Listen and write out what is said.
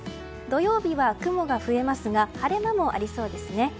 土曜日は雲が増えますが晴れ間もありそうですね。